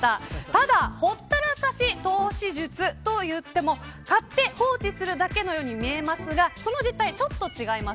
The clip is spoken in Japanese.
ただ、ほったらかし投資術といっても買って放置するだけのように見えますが、その実態ちょっと違います。